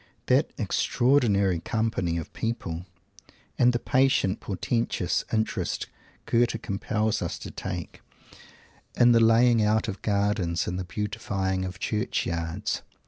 That extraordinary company of people! And the patient, portentious interest Goethe compels us to take in the laying out of gardens and the beautifying of church yards!